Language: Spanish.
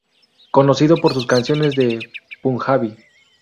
Conocido por sus canciones de Punjabi.